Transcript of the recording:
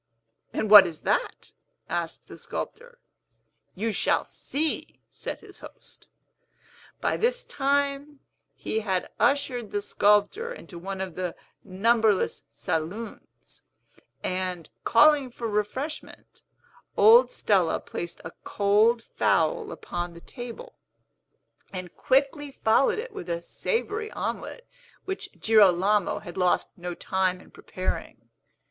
"And what is that?" asked the sculptor. "You shall see!" said his young host. By this time, he had ushered the sculptor into one of the numberless saloons; and, calling for refreshment, old Stella placed a cold fowl upon the table, and quickly followed it with a savory omelet, which Girolamo had lost no time in preparing.